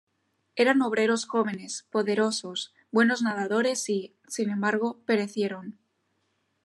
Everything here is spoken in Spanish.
Eran obreros jóvenes, poderosos, buenos nadadores y, sin embargo, perecieron.